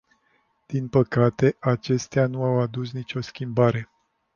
Din păcate, aceasta nu a adus nicio schimbare.